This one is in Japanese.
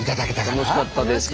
楽しかったです。